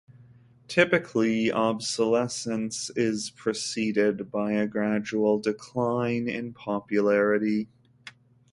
Typically, obsolescence is preceded by a gradual decline in popularity.